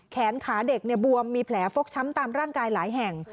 แขนขาเด็กบวมมีแผลฟกช้ำตามร่างกายหลายแห่ง